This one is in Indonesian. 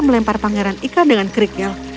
melempar pangeran ikan dengan kerikil